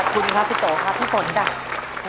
ขอบคุณครับฟิโต้ค่ะพี่ฝนค่ะ